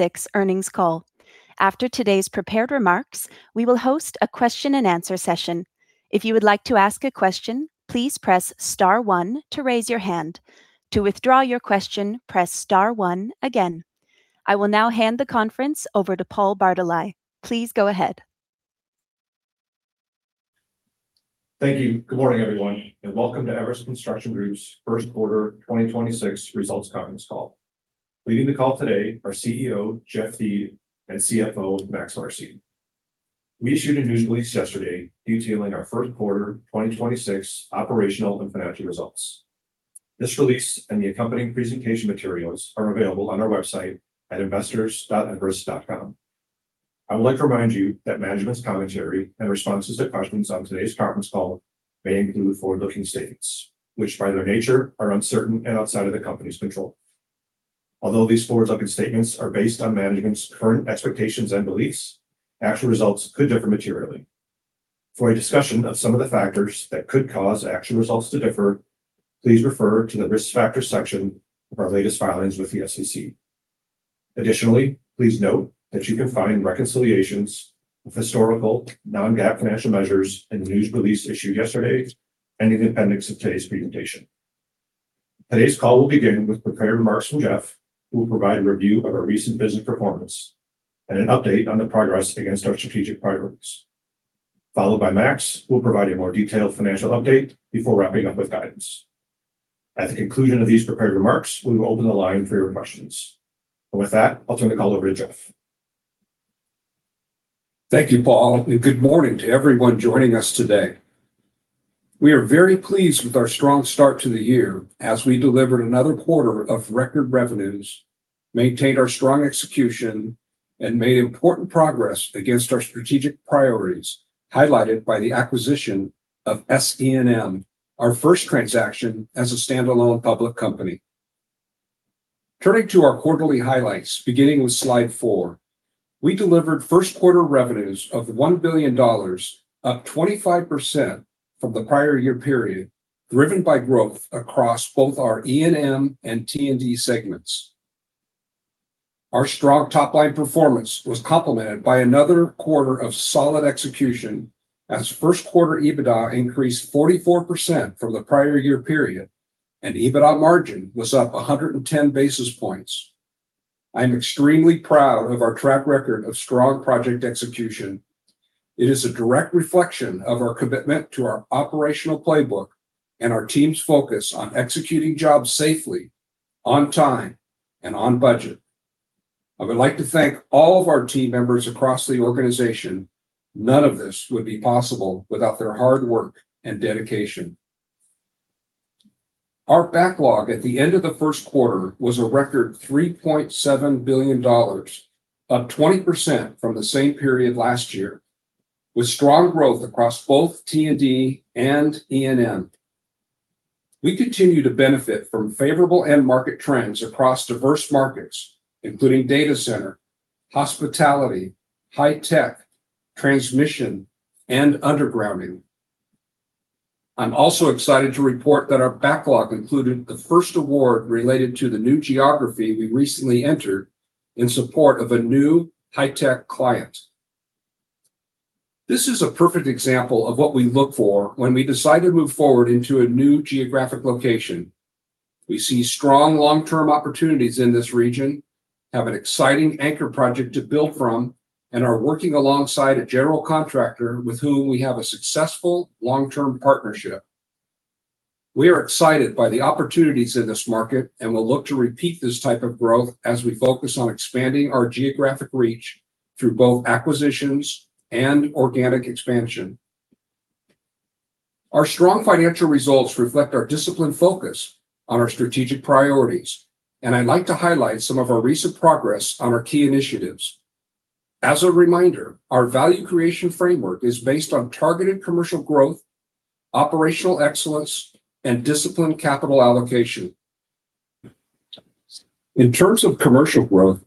[Six] earnings call. After today's prepared remarks, we will host a Question-and-Answer session. If you would like to ask a question, please press star one to raise your hand. To withdraw your question, press star one again. I will now hand the conference over to Paul Bartolai. Please go ahead. Thank you. Good morning, everyone, and welcome to Everus Construction Group's first quarter 2026 results conference call. Leading the call today are CEO, Jeff Thiede, and CFO, Max Marcy. We issued a news release yesterday detailing our first quarter 2026 operational and financial results. This release and the accompanying presentation materials are available on our website at investors.everus.com. I would like to remind you that management's commentary and responses to questions on today's conference call may include forward-looking statements, which by their nature are uncertain and outside of the company's control. Although these forward-looking statements are based on management's current expectations and beliefs, actual results could differ materially. For a discussion of some of the factors that could cause actual results to differ, please refer to the risk factors section of our latest filings with the SEC. Additionally, please note that you can find reconciliations of historical non-GAAP financial measures in the news release issued yesterday and in the appendix of today's presentation. Today's call will begin with prepared remarks from Jeff, who will provide a review of our recent business performance and an update on the progress against our strategic priorities, followed by Max, who will provide a more detailed financial update before wrapping up with guidance. At the conclusion of these prepared remarks, we will open the line for your questions. With that, I'll turn the call over to Jeff. Thank you, Paul, and good morning to everyone joining us today. We are very pleased with our strong start to the year as we delivered another quarter of record revenues, maintained our strong execution, and made important progress against our strategic priorities, highlighted by the acquisition of SE&M, our first transaction as a standalone public company. Turning to our quarterly highlights, beginning with slide four, we delivered first quarter revenues of $1 billion, up 25% from the prior year period, driven by growth across both our E&M and T&D segments. Our strong top-line performance was complemented by another quarter of solid execution as first quarter EBITDA increased 44% from the prior year period, and EBITDA margin was up 110 basis points. I am extremely proud of our track record of strong project execution. It is a direct reflection of our commitment to our operational playbook and our team's focus on executing jobs safely, on time, and on budget. I would like to thank all of our team members across the organization. None of this would be possible without their hard work and dedication. Our backlog at the end of the first quarter was a record $3.7 billion, up 20% from the same period last year, with strong growth across both T&D and E&M. We continue to benefit from favorable end market trends across diverse markets, including data center, hospitality, high tech, transmission, and undergrounding. I'm also excited to report that our backlog included the first award related to the new geography we recently entered in support of a new high-tech client. This is a perfect example of what we look for when we decide to move forward into a new geographic location. We see strong long-term opportunities in this region, have an exciting anchor project to build from, and are working alongside a general contractor with whom we have a successful long-term partnership. We are excited by the opportunities in this market and will look to repeat this type of growth as we focus on expanding our geographic reach through both acquisitions and organic expansion. Our strong financial results reflect our disciplined focus on our strategic priorities, and I'd like to highlight some of our recent progress on our key initiatives. As a reminder, our value creation framework is based on targeted commercial growth, operational excellence, and disciplined capital allocation. In terms of commercial growth,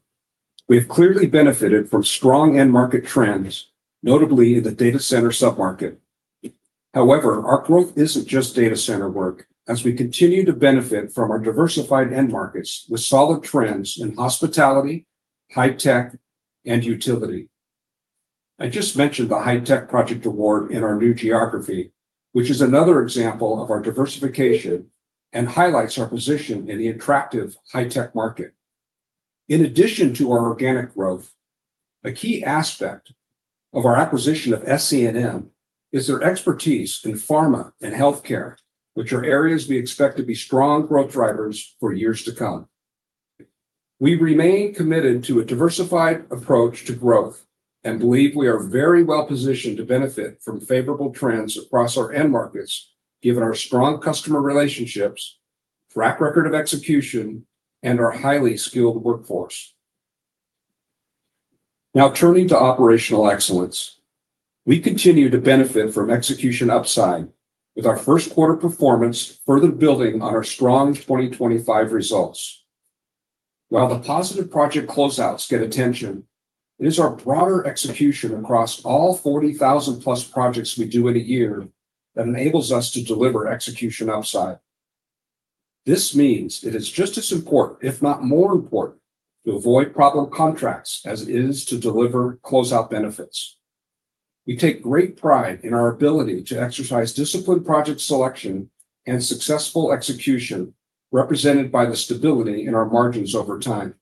we have clearly benefited from strong end market trends, notably the data center sub-market. However, our growth isn't just data center work, as we continue to benefit from our diversified end markets with solid trends in hospitality, high tech, and utility. I just mentioned the high tech project award in our new geography, which is another example of our diversification and highlights our position in the attractive high tech market. In addition to our organic growth, a key aspect of our acquisition of SE&M is their expertise in pharma and healthcare, which are areas we expect to be strong growth drivers for years to come. We remain committed to a diversified approach to growth and believe we are very well positioned to benefit from favorable trends across our end markets, given our strong customer relationships, track record of execution, and our highly skilled workforce. Now, turning to operational excellence, we continue to benefit from execution upside with our first quarter performance further building on our strong 2025 results. While the positive project closeouts get attention, it is our broader execution across all 40,000+ projects we do in a one year that enables us to deliver execution upside. This means it is just as important, if not more important, to avoid problem contracts as it is to deliver closeout benefits. We take great pride in our ability to exercise disciplined project selection and successful execution, represented by the stability in our margins over time.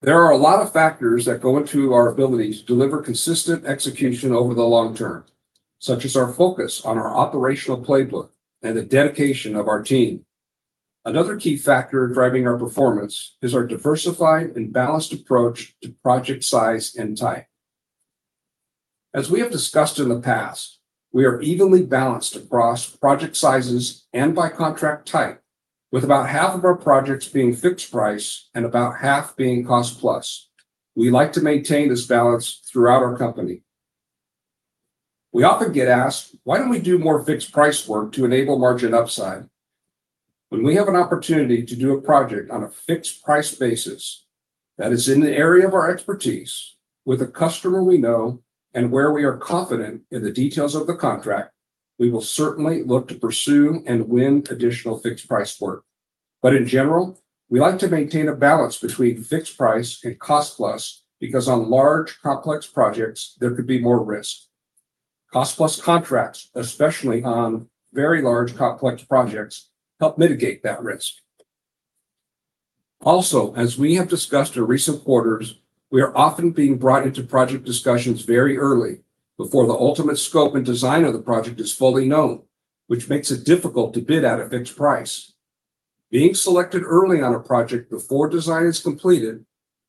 There are a lot of factors that go into our ability to deliver consistent execution over the long term, such as our focus on our operational playbook and the dedication of our team. Another key factor driving our performance is our diversified and balanced approach to project size and type. As we have discussed in the past, we are evenly balanced across project sizes and by contract type, with about half of our projects being fixed-price and about half being cost plus. We like to maintain this balance throughout our company. We often get asked, "Why don't we do more fixed-price work to enable margin upside?" When we have an opportunity to do a project on a fixed-price basis that is in the area of our expertise with a customer we know and where we are confident in the details of the contract, we will certainly look to pursue and win additional fixed-price work. In general, we like to maintain a balance between fixed price and cost plus, because on large, complex projects, there could be more risk. Cost plus contracts, especially on very large, complex projects, help mitigate that risk. Also, as we have discussed in recent quarters, we are often being brought into project discussions very early, before the ultimate scope and design of the project is fully known, which makes it difficult to bid at a fixed price. Being selected early on a project before design is completed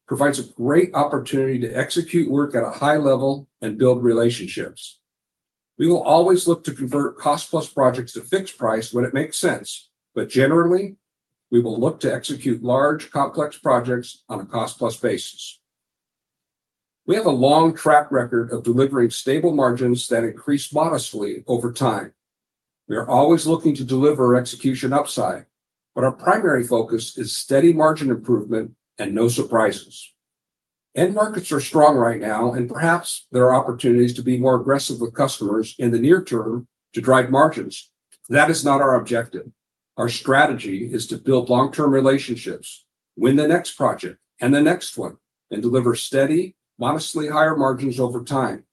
provides a great opportunity to execute work at a high level and build relationships. We will always look to convert cost plus projects to fixed price when it makes sense. Generally, we will look to execute large, complex projects on a cost-plus basis. We have a long track record of delivering stable margins that increase modestly over time. We are always looking to deliver execution upside, but our primary focus is steady margin improvement and no surprises. End markets are strong right now, perhaps there are opportunities to be more aggressive with customers in the near term to drive margins. That is not our objective. Our strategy is to build long-term relationships, win the next project and the next one, and deliver steady, modestly higher margins over time.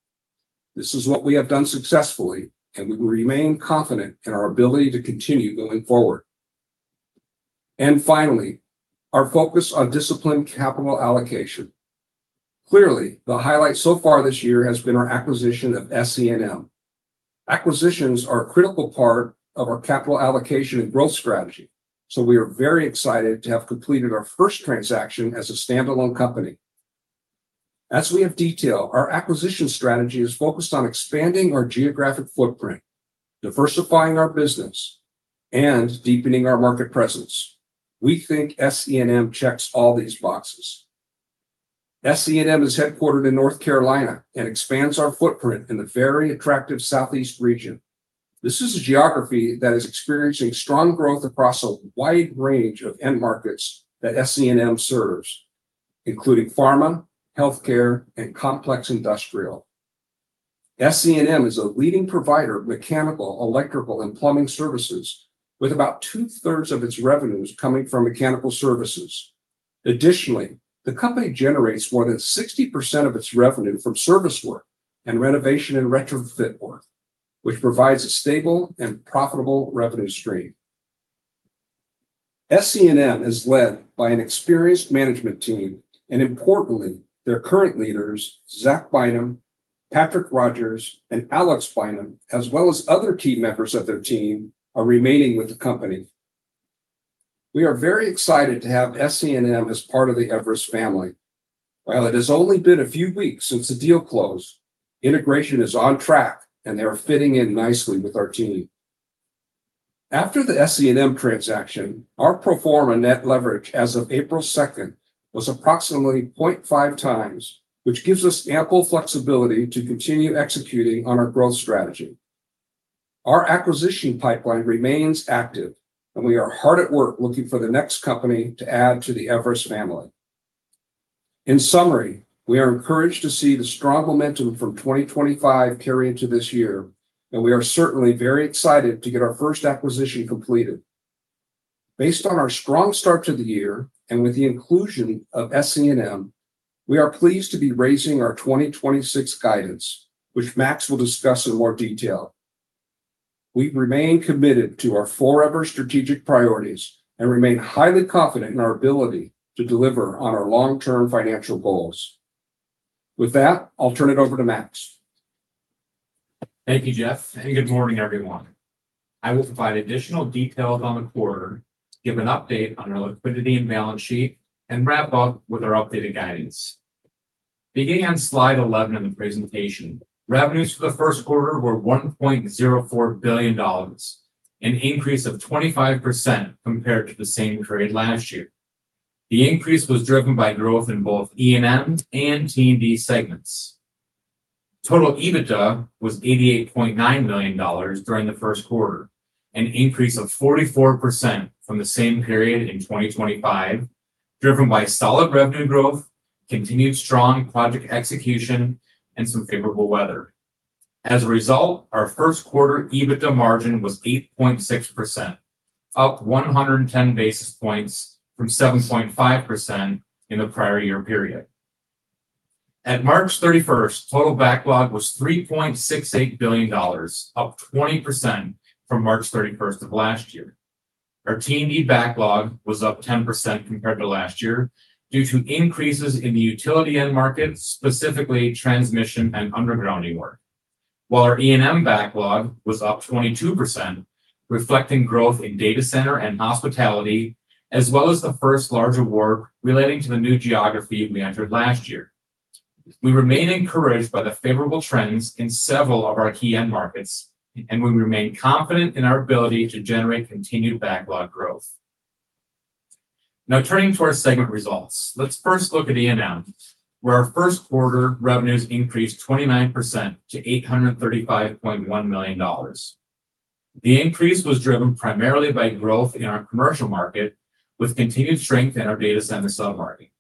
This is what we have done successfully, we remain confident in our ability to continue going forward. Finally, our focus on disciplined capital allocation. Clearly, the highlight so far this year has been our acquisition of SE&M. Acquisitions are a critical part of our capital allocation and growth strategy, so we are very excited to have completed our first transaction as a standalone company. As we have detailed, our acquisition strategy is focused on expanding our geographic footprint, diversifying our business, and deepening our market presence. We think SE&M checks all these boxes. SE&M is headquartered in North Carolina and expands our footprint in the very attractive Southeast region. This is a geography that is experiencing strong growth across a wide range of end markets that SE&M serves, including pharma, healthcare, and complex industrial. SE&M is a leading provider of mechanical, electrical and plumbing services, with about 2/3 of its revenues coming from mechanical services. Additionally, the company generates more than 60% of its revenue from service work and renovation and retrofit work, which provides a stable and profitable revenue stream. SE&M is led by an experienced management team, and importantly, their current leaders, Zack Bynum, Patrick Rogers, and Alex Bynum, as well as other key members of their team, are remaining with the company. We are very excited to have SE&M as part of the Everus family. While it has only been a few weeks since the deal closed, integration is on track, and they are fitting in nicely with our team. After the SE&M transaction, our pro forma net leverage as of 2 April was approximately 0.5x, which gives us ample flexibility to continue executing on our growth strategy. Our acquisition pipeline remains active, and we are hard at work looking for the next company to add to the Everus family. In summary, we are encouraged to see the strong momentum from 2025 carry into this year, and we are certainly very excited to get our first acquisition completed. Based on our strong start to the year, and with the inclusion of SE&M, we are pleased to be raising our 2026 guidance, which Max will discuss in more detail. We remain committed to our Everus strategic priorities and remain highly confident in our ability to deliver on our long-term financial goals. With that, I'll turn it over to Max. Thank you, Jeff, and good morning, everyone. I will provide additional details on the quarter, give an update on our liquidity and balance sheet, and wrap up with our updated guidance. Beginning on slide 11 in the presentation, revenues for the first quarter were $1.04 billion, an increase of 25% compared to the same period last year. The increase was driven by growth in both E&M and T&D segments. Total EBITDA was $88.9 million during the first quarter, an increase of 44% from the same period in 2025, driven by solid revenue growth, continued strong project execution, and some favorable weather. As a result, our first quarter EBITDA margin was 8.6%, up 110 basis points from 7.5% in the prior year period. At March 31st, total backlog was $3.68 billion, up 20% from March 31st of last year. Our T&D backlog was up 10% compared to last year due to increases in the utility end markets, specifically transmission and undergrounding work. While our E&M backlog was up 22%, reflecting growth in data center and hospitality, as well as the first larger work relating to the new geography we entered last year. We remain encouraged by the favorable trends in several of our key end markets, and we remain confident in our ability to generate continued backlog growth. Now turning to our segment results. Let's first look at E&M, where our first quarter revenues increased 29% to $835.1 million. The increase was driven primarily by growth in our commercial market, with continued strength in our data center submarket.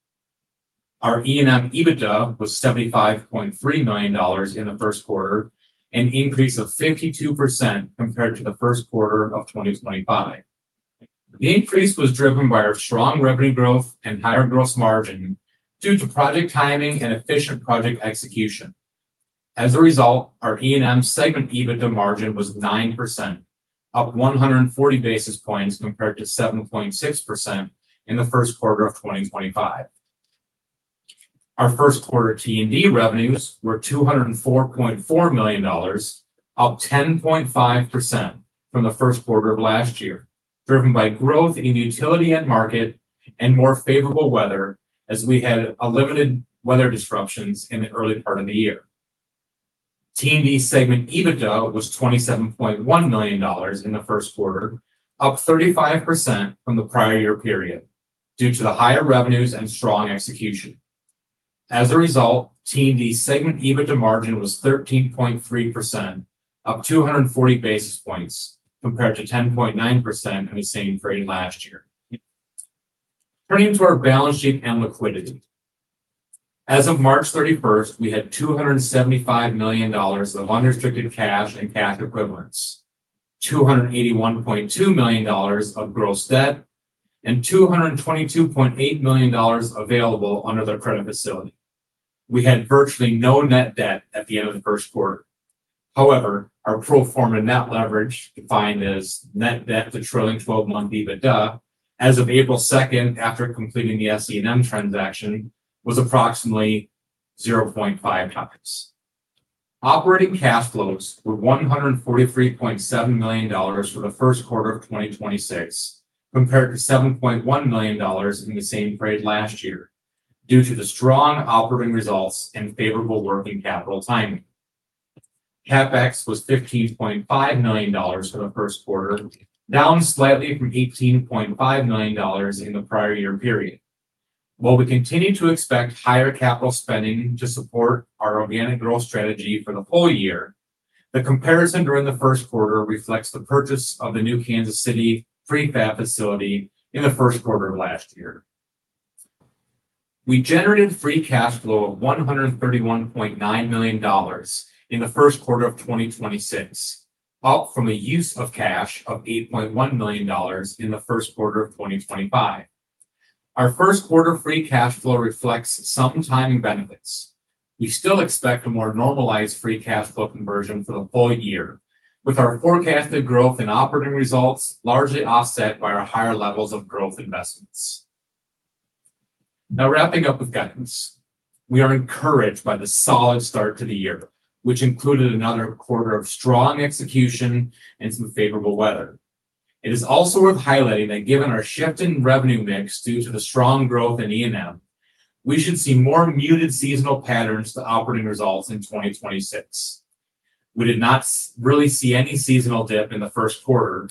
Our E&M EBITDA was $75.3 million in the first quarter, an increase of 52% compared to the first quarter of 2025. The increase was driven by our strong revenue growth and higher gross margin due to project timing and efficient project execution. As a result, our E&M segment EBITDA margin was 9%, up 140 basis points compared to 7.6% in the first quarter of 2025. Our first quarter T&D revenues were $204.4 million, up 10.5% from the first quarter of last year, driven by growth in utility end market and more favorable weather as we had limited weather disruptions in the early part of the year. T&D segment EBITDA was $27.1 million in the first quarter, up 35% from the prior year period due to the higher revenues and strong execution. As a result, T&D segment EBITDA margin was 13.3%, up 240 basis points compared to 10.9% in the same frame last year. Turning to our balance sheet and liquidity. As of March 31st, we had $275 million of unrestricted cash and cash equivalents, $281.2 million of gross debt, and $222.8 million available under the credit facility. We had virtually no net debt at the end of the first quarter. However, our pro forma net leverage, defined as net debt to trailing twelve-month EBITDA, as of April second after completing the SE&M transaction, was approximately 0.5x. Operating cash flows were $143.7 million for the first quarter of 2026, compared to $7.1 million in the same period last year, due to the strong operating results and favorable working capital timing. CapEx was $15.5 million for the first quarter, down slightly from $18.5 million in the prior year period. While we continue to expect higher capital spending to support our organic growth strategy for the full year, the comparison during the first quarter reflects the purchase of the new Kansas City pre-fab facility in the first quarter of last year. We generated free cash flow of $131.9 million in the first quarter of 2026, up from a use of cash of $8.1 million in the first quarter of 2025. Our first quarter free cash flow reflects some timing benefits. We still expect a more normalized free cash flow conversion for the full year, with our forecasted growth and operating results largely offset by our higher levels of growth investments. Now wrapping up with guidance. We are encouraged by the solid start to the year, which included another quarter of strong execution and some favorable weather. It is also worth highlighting that given our shift in revenue mix due to the strong growth in E&M, we should see more muted seasonal patterns to operating results in 2026. We did not really see any seasonal dip in the first quarter.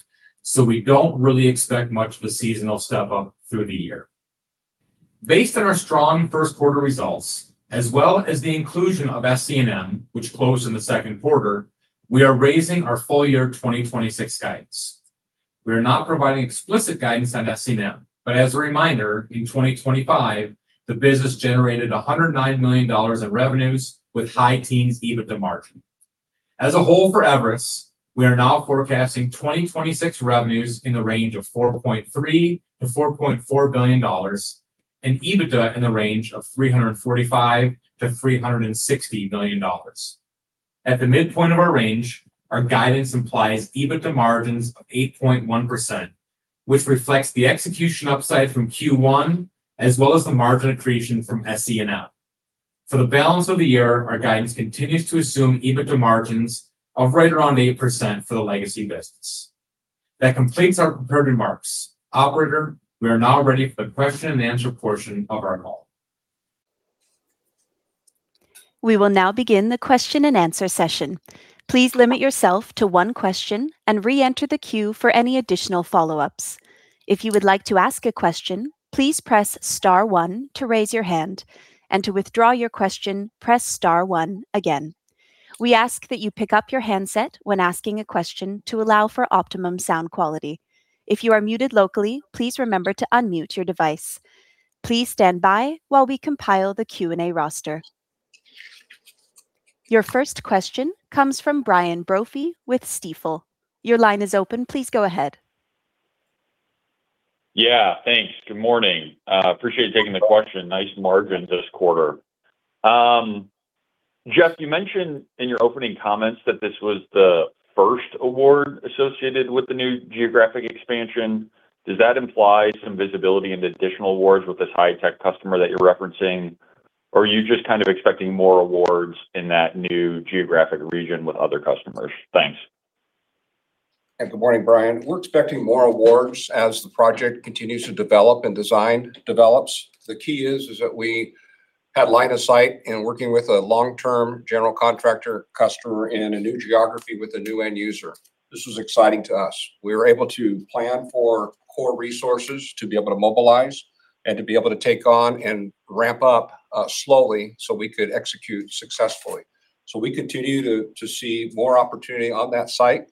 We don't really expect much of a seasonal step-up through the year. Based on our strong first quarter results, as well as the inclusion of SE&M, which closed in the second quarter, we are raising our full year 2026 guidance. We are not providing explicit guidance on SE&M. As a reminder, in 2025, the business generated $109 million in revenues with high teens EBITDA margin. As a whole for Everus, we are now forecasting 2026 revenues in the range of $4.3 billion-$4.4 billion and EBITDA in the range of $345 million-$360 million. At the midpoint of our range, our guidance implies EBITDA margins of 8.1%, which reflects the execution upside from Q1, as well as the margin accretion from SE&M. For the balance of the year, our guidance continues to assume EBITDA margins of right around 8% for the legacy business. That completes our prepared remarks. Operator, we are now ready for the question-and-answer portion of our call. We will now begin the Question-and-Answer session. Please limit yourself to one question and re enter the queue for any additional follow ups. If you would like to ask a question please press star one to raise your hand, and to withdraw your question please press star one again. We ask that you pick up your handset when asking a question to allow for optimum sound quality. If you are muted locally please remember to unmute your device. Please stand by while we compile the Q&A roster. Your first question comes from Brian Brophy with Stifel. Your line is open. Please go ahead. Yeah. Thanks. Good morning. Appreciate taking the question. Nice margin this quarter. Jeff, you mentioned in your opening comments that this was the first award associated with the new geographic expansion. Does that imply some visibility into additional awards with this high-tech customer that you're referencing? Are you just kind of expecting more awards in that new geographic region with other customers? Thanks. Yeah. Good morning, Brian. We're expecting more awards as the project continues to develop and design develops. The key is that we had line of sight in working with a long-term general contractor customer in a new geography with a new end user. This was exciting to us. We were able to plan for core resources to be able to mobilize and to be able to take on and ramp up slowly so we could execute successfully. We continue to see more opportunity on that site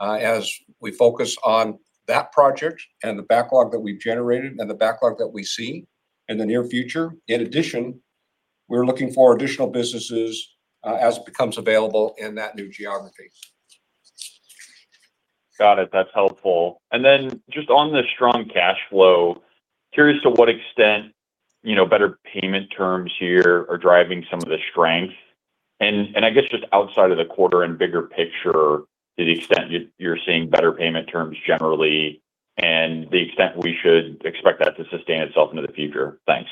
as we focus on that project and the backlog that we've generated and the backlog that we see in the near future. In addition, we're looking for additional businesses as it becomes available in that new geography. Got it. That's helpful. Just on the strong cash flow, curious to what extent, you know, better payment terms here are driving some of the strength, and I guess just outside of the quarter and bigger picture, to the extent you're seeing better payment terms generally and the extent we should expect that to sustain itself into the future. Thanks.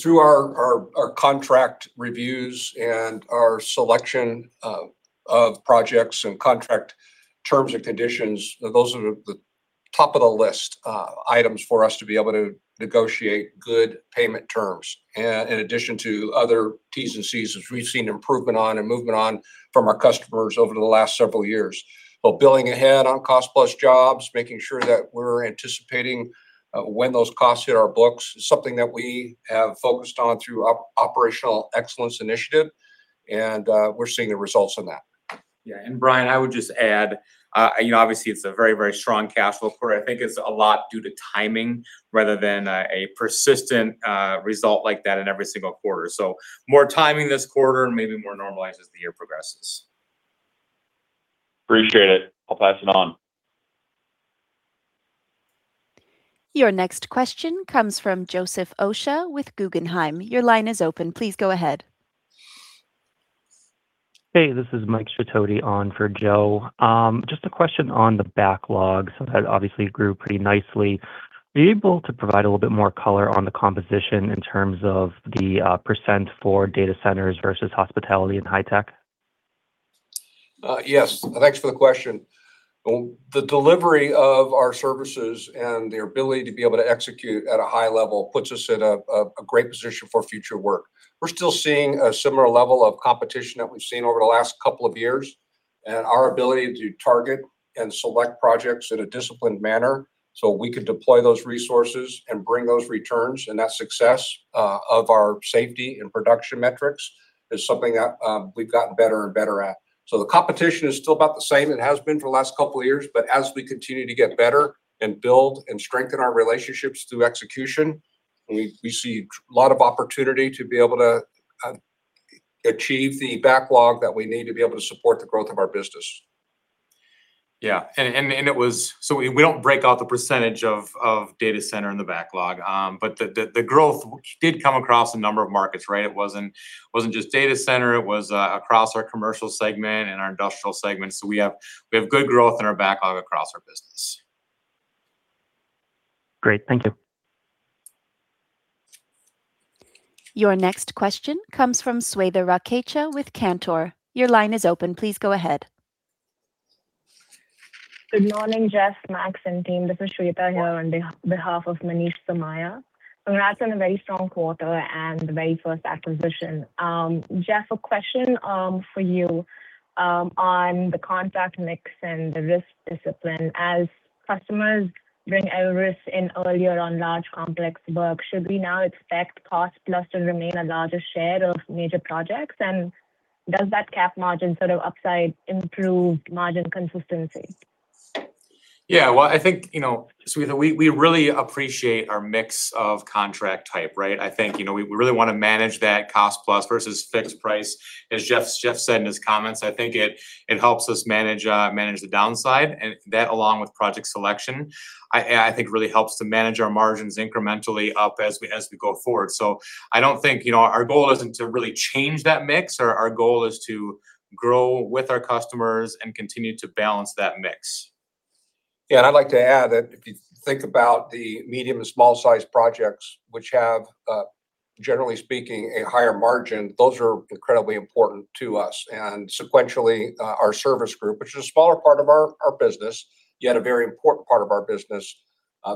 Through our contract reviews and our selection of projects and contract terms and conditions, those are the top of the list items for us to be able to negotiate good payment terms. In addition to other Ts and Cs, as we've seen improvement on and movement on from our customers over the last several years. Billing ahead on cost plus jobs, making sure that we're anticipating when those costs hit our books is something that we have focused on through Operational Excellence Initiative, and we're seeing the results in that. Yeah. Brian, I would just add, you know, obviously it's a very, very strong cash flow quarter. I think it's a lot due to timing rather than a persistent result like that in every single quarter. More timing this quarter, maybe more normalized as the year progresses. Appreciate it. I'll pass it on. Your next question comes from Joseph Osha with Guggenheim. Your line is open. Please go ahead. Hey, this is Mike Shatoti on for Joe. Just a question on the backlog since that obviously grew pretty nicely. Are you able to provide a little bit more color on the composition in terms of the % for data centers versus hospitality and high tech? Yes. Thanks for the question. Well, the delivery of our services and the ability to be able to execute at a high level puts us in a great position for future work. We're still seeing a similar level of competition that we've seen over the last couple of years, and our ability to target and select projects in a disciplined manner, so we could deploy those resources and bring those returns and that success of our safety and production metrics, is something that we've gotten better and better at. The competition is still about the same. It has been for the last couple of years, but as we continue to get better and build and strengthen our relationships through execution, we see a lot of opportunity to be able to achieve the backlog that we need to be able to support the growth of our business. Yeah. We don't break out the percentage of data center in the backlog. The growth did come across a number of markets, right? It wasn't just data center. It was across our commercial segment and our industrial segment. We have good growth in our backlog across our business. Great. Thank you. Your next question comes from Swetha Rakhecha with Cantor. Your line is open. Please go ahead. Good morning, Jeff, Max, and team. This is Swetha here on behalf of Manish Somaiya. Congrats on a very strong quarter and the very first acquisition. Jeff, a question for you on the contract mix and the risk discipline. As customers bring a risk in earlier on large complex work, should we now expect cost plus to remain a larger share of major projects? Does that cap margin sort of upside improve margin consistency? I think, you know, Swetha, we really appreciate our mix of contract type, right? I think, you know, we really wanna manage that cost plus versus fixed price. As Jeff Thiede said in his comments, I think it helps us manage the downside, and that along with project selection, I think really helps to manage our margins incrementally up as we go forward. I don't think, you know, our goal isn't to really change that mix. Our goal is to grow with our customers and continue to balance that mix. Yeah, I'd like to add that if you think about the medium to small size projects, which have, generally speaking, a higher margin, those are incredibly important to us. Sequentially, our service group, which is a smaller part of our business, yet a very important part of our business,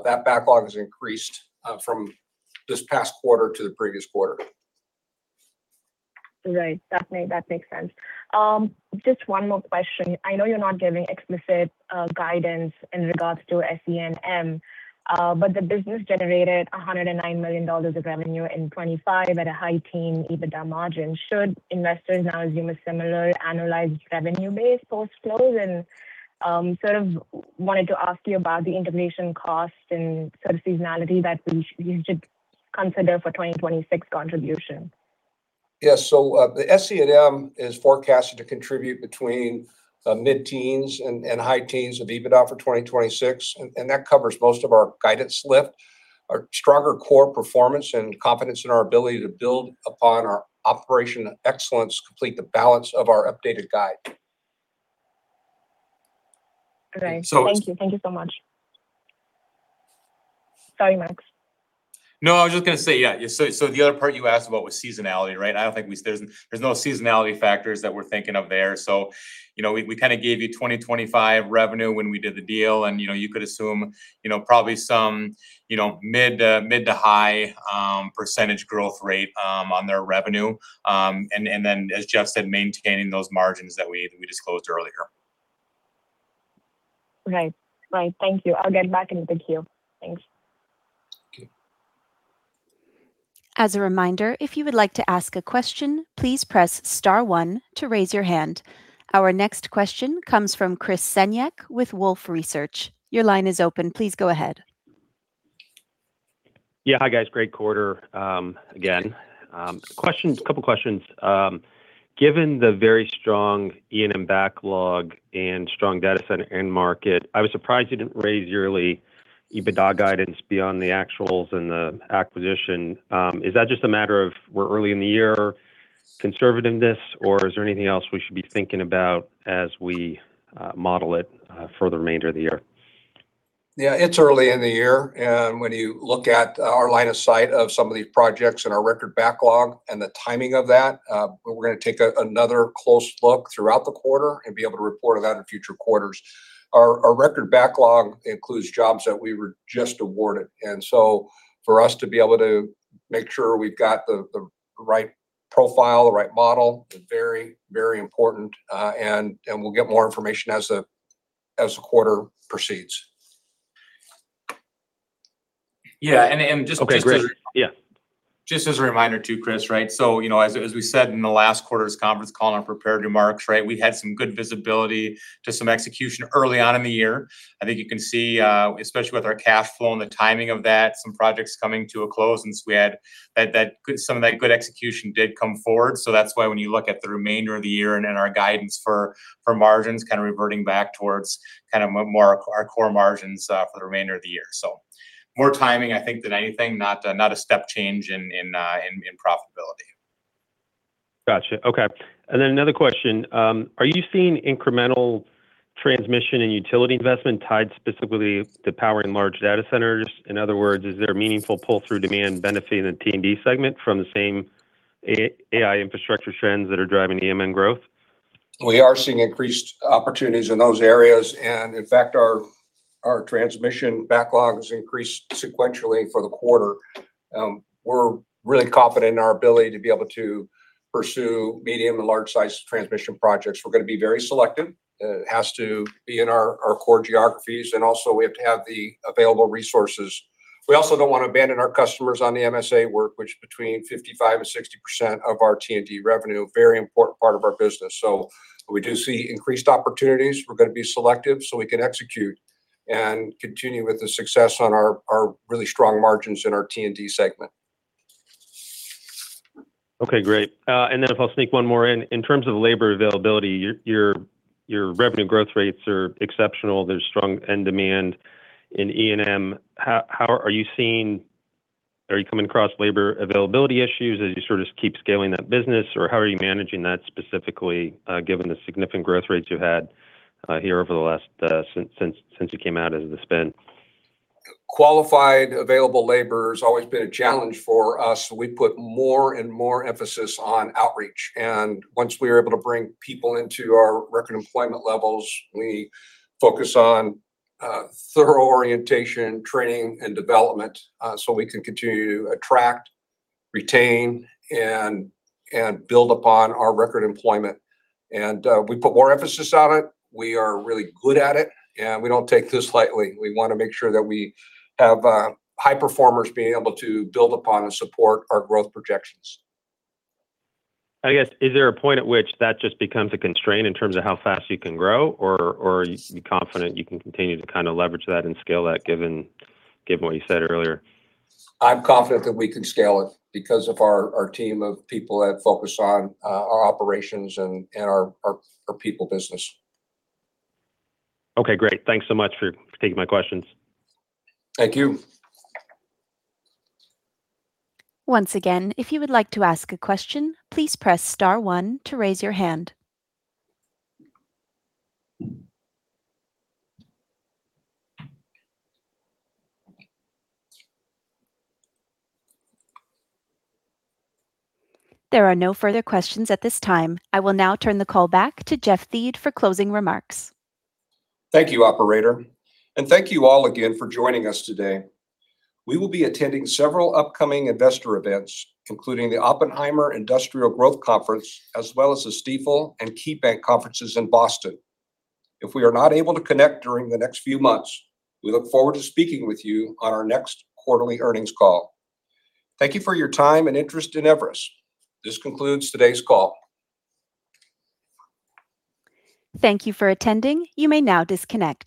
that backlog has increased, from this past quarter to the previous quarter. Right. That makes sense. Just one more question. I know you're not giving explicit guidance in regards to SE&M, but the business generated $109 million of revenue in 2025 at a high-teen EBITDA margin. Should investors now assume a similar annualized revenue base post-close? Sort of wanted to ask you about the integration cost and sort of seasonality that we should consider for 2026 contribution. The SE&M is forecasted to contribute between mid-teens and high teens of EBITDA for 2026, and that covers most of our guidance lift. Our stronger core performance and confidence in our ability to build upon our operational excellence complete the balance of our updated guide. Great. So it's- Thank you. Thank you so much. Sorry, Max. I was just gonna say, the other part you asked about was seasonality, right? There's no seasonality factors that we're thinking of there. You know, we kind of gave you 2025 revenue when we did the deal, and, you know, you could assume, you know, probably some, you know, mid to high % growth rate on their revenue. Then as Jeff said, maintaining those margins that we disclosed earlier. Right. Right. Thank you. I'll get back in the queue. Thanks. Okay. As a reminder, if you would like to ask a question, please press star one to raise your hand. Our next question comes from Chris Senyek with Wolfe Research. Your line is open. Please go ahead. Yeah. Hi, guys. Great quarter, again. Questions, couple questions. Given the very strong E&M backlog and strong data center end market, I was surprised you didn't raise yearly EBITDA guidance beyond the actuals and the acquisition. Is that just a matter of we're early in the year conservativeness, or is there anything else we should be thinking about as we model it for the remainder of the year? Yeah. It's early in the year, and when you look at our line of sight of some of these projects and our record backlog and the timing of that, but we're gonna take another close look throughout the quarter and be able to report on that in future quarters. Our record backlog includes jobs that we were just awarded, and so for us to be able to make sure we've got the right profile, the right model is very, very important. We'll get more information as the quarter proceeds. Yeah. just. Okay, great. Yeah. Just as a reminder too, Chris, right? As we said in the last quarter's conference call in our prepared remarks, right, we had some good visibility to some execution early on in the year. I think you can see, especially with our cash flow and the timing of that, some projects coming to a close, and so we had some of that good execution did come forward. That's why when you look at the remainder of the year and then our guidance for margins kind of reverting back towards more our core margins for the remainder of the year. More timing, I think, than anything, not a step change in profitability. Gotcha. Okay. Then another question. Are you seeing incremental transmission and utility investment tied specifically to power and large data centers? In other words, is there meaningful pull-through demand benefiting the T&D segment from the same AI infrastructure trends that are driving E&M growth? We are seeing increased opportunities in those areas. In fact, our transmission backlog has increased sequentially for the quarter. We're really confident in our ability to be able to pursue medium and large-sized transmission projects. We're gonna be very selective. It has to be in our core geographies, and also we have to have the available resources. We also don't wanna abandon our customers on the MSA work, which between 55% and 60% of our T&D revenue, a very important part of our business. We do see increased opportunities. We're gonna be selective, so we can execute and continue with the success on our really strong margins in our T&D segment. Okay. Great. If I'll sneak one more in. In terms of labor availability, your revenue growth rates are exceptional. There's strong end demand in E&M. How are you seeing Are you coming across labor availability issues as you sort of keep scaling that business, or how are you managing that specifically, given the significant growth rates you had here over the last since you came out as the spin? Qualified available labor has always been a challenge for us. We put more and more emphasis on outreach. Once we are able to bring people into our record employment levels, we focus on thorough orientation, training, and development, so we can continue to attract, retain, and build upon our record employment. We put more emphasis on it. We are really good at it, and we don't take this lightly. We wanna make sure that we have high performers being able to build upon and support our growth projections. I guess, is there a point at which that just becomes a constraint in terms of how fast you can grow, or are you confident you can continue to kind of leverage that and scale that given what you said earlier? I'm confident that we can scale it because of our team of people that focus on our operations and our people business. Okay. Great. Thanks so much for taking my questions. Thank you. Once again, if you would like to ask a question, please press star one to raise your hand. There are no further questions at this time. I will now turn the call back to Jeff Thiede for closing remarks. Thank you, operator, and thank you all again for joining us today. We will be attending several upcoming investor events, including the Oppenheimer Industrial Growth Conference, as well as the Stifel and KeyBanc conferences in Boston. If we are not able to connect during the next few months, we look forward to speaking with you on our next quarterly earnings call. Thank you for your time and interest in Everus. This concludes today's call. Thank you for attending. You may now disconnect.